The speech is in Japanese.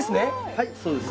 はいそうです。